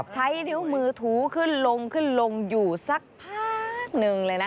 ใช้นิ้วมือถูขึ้นลงขึ้นลงอยู่สักพักหนึ่งเลยนะ